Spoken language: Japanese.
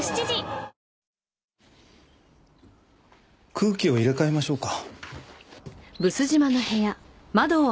空気を入れ替えましょうか。